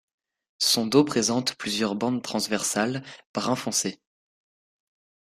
Son dos présente plusieurs bandes transversales brun foncé.